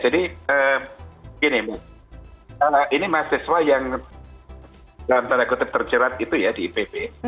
gini mas ini mahasiswa yang dalam tanda kutip terjerat itu ya di ipb